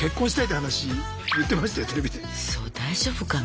うそ大丈夫かな。